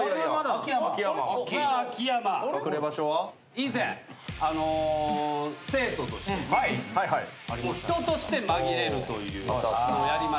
以前生徒として人として紛れるというのをやりまして。